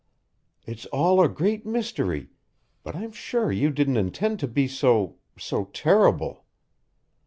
It's all a great mystery, but I'm sure you didn't intend to be so so terrible.